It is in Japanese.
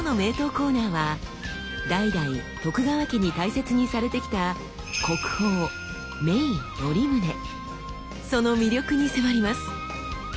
コーナーは代々徳川家に大切にされてきたその魅力に迫ります。